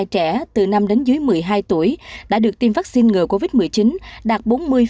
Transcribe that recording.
một trăm hai mươi hai chín trăm năm mươi hai trẻ từ năm đến dưới một mươi hai tuổi đã được tiêm vaccine ngừa covid một mươi chín đạt bốn mươi năm